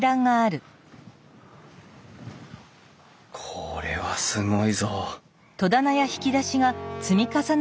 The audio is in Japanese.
これはすごいぞ！